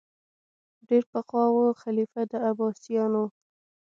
ډېر پخوا وو خلیفه د عباسیانو